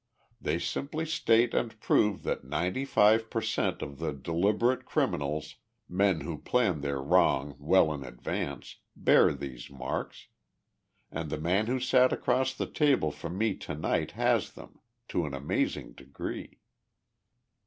They simply state and prove that ninety five per cent of the deliberate criminals, men who plan their wrong well in advance, bear these marks. And the man who sat across the table from me to night has them, to an amazing degree."